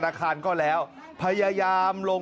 คนที่ไม่เข้าแถวจะไม่ได้นะครับ